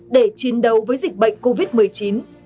để chiến đấu với dịch bệnh